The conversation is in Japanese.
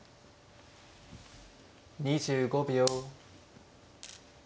２５秒。